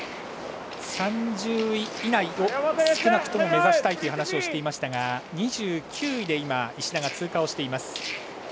３０位以内を少なくとも目指したいという話をしていましたが２９位で石田、通過しています。